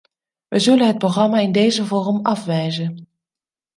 We zullen het programma in deze vorm afwijzen.